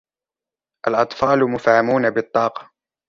الأطفالُ مفعمونَ بالطاقة.